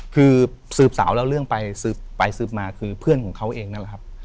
คือสืบสาวเล่าเรื่องไปสืบไปสืบมาคือเพื่อนของเขาเองนั่นแหละครับ